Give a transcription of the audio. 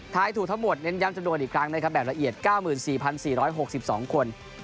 ถูกทั้งหมดเน้นย้ำจำนวนอีกครั้งนะครับแบบละเอียด๙๔๔๖๒คน